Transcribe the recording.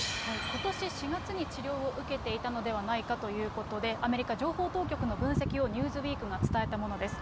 ことし４月に治療を受けていたのではないかということで、アメリカ情報当局の分析をニューズウィークが伝えたものです。